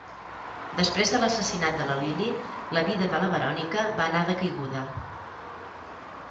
Després de l'assassinat de la Lilly, la vida de la Veronica va anar de caiguda.